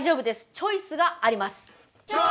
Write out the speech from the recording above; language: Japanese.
チョイスがあります！